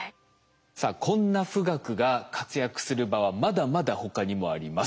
さあこんな富岳が活躍する場はまだまだ他にもあります。